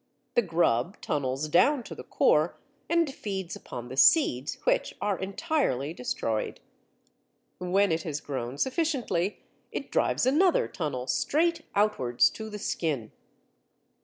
The grub tunnels down to the core and feeds upon the seeds, which are entirely destroyed. When it has grown sufficiently, it drives another tunnel straight outwards to the skin.